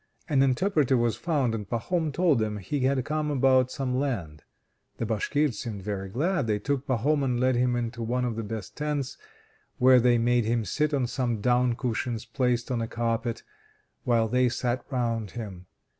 An interpreter was found, and Pahom told them he had come about some land. The Bashkirs seemed very glad; they took Pahom and led him into one of the best tents, where they made him sit on some down cushions placed on a carpet, while they sat round him.